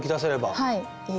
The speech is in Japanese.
はい。